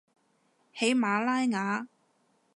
喜马拉雅